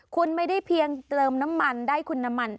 คุณไม่ได้เพียงเติมน้ำมันได้คุณน้ำมัน